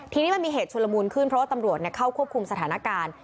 ทีนี้มันมีเหตุชุลมูลขึ้นเพราะว่าตำรวจเข้าควบคุมสถานการณ์